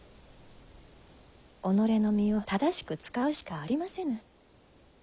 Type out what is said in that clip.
己の身を正しく使うしかありませぬ。